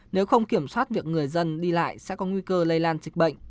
nếu không kiểm soát việc người dân đi lại sẽ có nguy cơ lây lan dịch bệnh